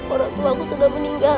orangtuaku sudah meninggal